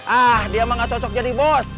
ah dia emang gak cocok jadi bos